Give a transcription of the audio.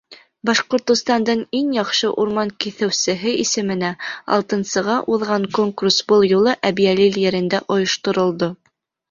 Башҡортостандың иң яҡшы урман киҫеүсеһе исеменә алтынсыға уҙған конкурс был юлы Әбйәлил ерендә ойошторолдо.